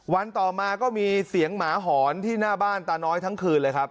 ต่อมาก็มีเสียงหมาหอนที่หน้าบ้านตาน้อยทั้งคืนเลยครับ